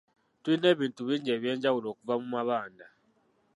Tulina ebintu bingi eby'enjawulo okuva mu mabanda.